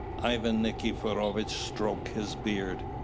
'" Ivan Nikiforovitch stroked his beard.